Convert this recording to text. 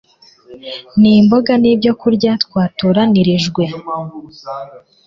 n’imboga ni byo byokurya twatoranyirijwe